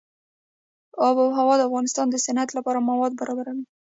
آب وهوا د افغانستان د صنعت لپاره مواد برابروي.